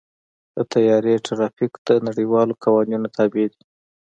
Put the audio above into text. د طیارې ټرافیک د نړیوالو قوانینو تابع دی.